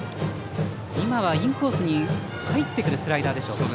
今はインコースに入ってくるスライダーでしょうか。